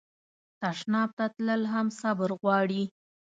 تشناب ته تلل هم صبر غواړي.